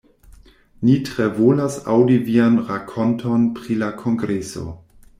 Ni tre volas aŭdi vian rakonton pri la kongreso.